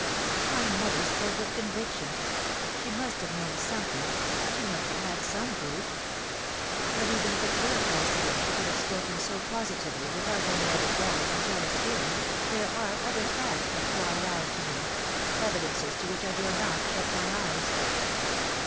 " My mother spoke with conviction. She must have known something she must have had some proof. But even if it were possible she could have spoken so positively without any other ground than jealous feeling, there are other facts that cry aloud to me, evidences to which I dare not shut my eyes.